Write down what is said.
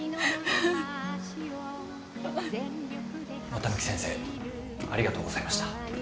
綿貫先生ありがとうございました。